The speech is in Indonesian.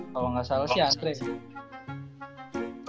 kalau gak salah sih andre sih